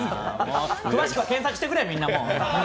詳しくは検索してくれ、みんなも。